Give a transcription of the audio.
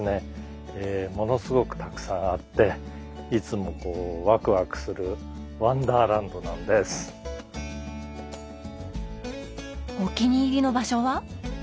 ものすごくたくさんあっていつもワクワクするお気に入りの場所は？